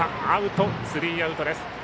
アウト、スリーアウトです。